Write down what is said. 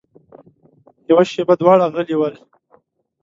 يوه شېبه دواړه غلي ول.